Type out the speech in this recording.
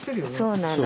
そうなの。